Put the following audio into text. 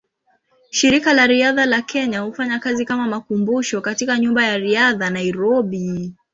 Shirika la Riadha la Kenya hufanya kazi kama makumbusho katika Nyumba ya Riadha, Nairobi.